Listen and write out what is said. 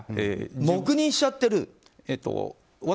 黙認しちゃってる？